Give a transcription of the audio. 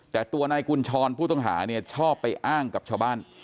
แต่ตัวนายกุญชรผู้ต้องหาเนี่ยชอบไปอ้างกับชาวบ้าน